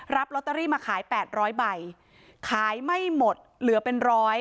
ลอตเตอรี่มาขาย๘๐๐ใบขายไม่หมดเหลือเป็นร้อย